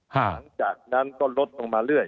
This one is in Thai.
หลังจากนั้นก็ลดลงมาเรื่อย